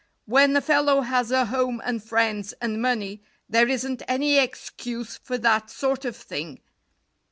When a fellow has a home and friends and money, there isn't any excuse for that sort of thing.